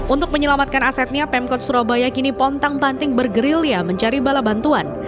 untuk menyelamatkan asetnya pemkot surabaya kini pontang panting bergerilya mencari bala bantuan